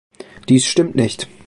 Dies stimmt nicht.